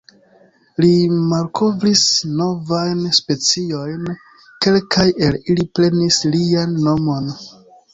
Li malkovris novajn speciojn, kelkaj el ili prenis lian nomon.